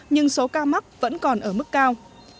nhưng số ca mắc vẫn còn ở mức cao